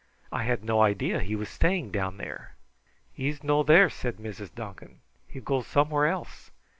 I had no idea he was staying down there." "He's no there," said Mrs. Duncan. "He goes somewhere else.